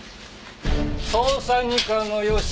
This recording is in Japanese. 捜査二課の吉岡だ。